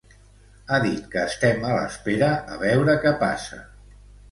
Ha dit que estem a l'espera a veure què passa.